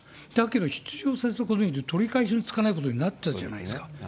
だけど、出場させたことで取り返しのつかないことになったじゃないですか。